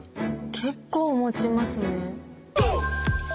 結構もちますね。